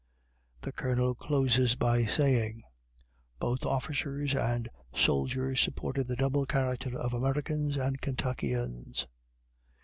The Colonel closes by saying, "both officers and soldiers supported the double character of Americans and Kentuckians."